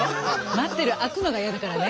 待ってる空くのが嫌だからね。